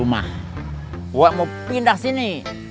mau pindah sini